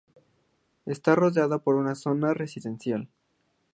Está rodeada por una zona residencial.